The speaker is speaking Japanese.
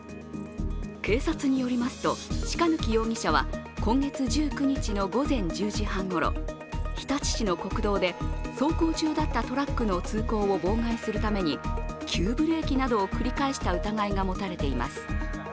警察によりますと、鹿貫容疑者は今月１９日の午前１０時半ごろ、日立市の国道で走行中だったトラックの通行を妨害するために急ブレーキなどを繰り返した疑いが持たれています。